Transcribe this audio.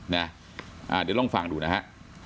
เดี๋ยวลองฟังดูนะฮะ